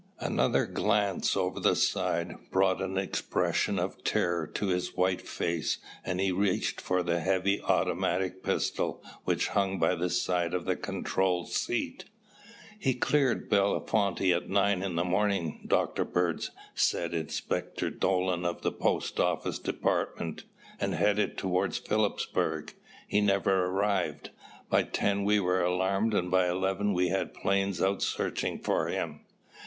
Another glance over the side brought an expression of terror to his white face and he reached for the heavy automatic pistol which hung by the side of the control seat. "He cleared Bellefonte at nine in the morning, Dr. Bird" said Inspector Dolan of the Post Office Department, "and headed toward Philipsburg. He never arrived. By ten we were alarmed and by eleven we had planes out searching for him.